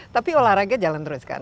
tapi olahraga jalan terus kan